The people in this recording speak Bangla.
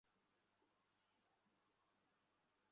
সকাল আটটা থেকে শুরু হয়ে ভোট গ্রহণ চলবে টানা বিকেল চারটা পর্যন্ত।